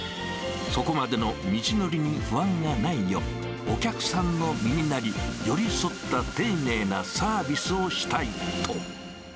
そこまでの道のりに不安がないよう、お客さんの身になり、寄り添った丁寧なサービスをしたいと。